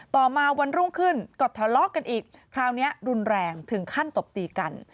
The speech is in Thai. ต่อมาวันรุ่งขึ้นก็ทะเลาะกันอีกคราวนี้รุนแรงถึงขั้นตบตีกัน